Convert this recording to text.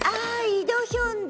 イ・ドヒョンだ。